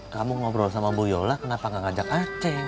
kamu ngobrol sama bu yola kenapa gak ngajak aceh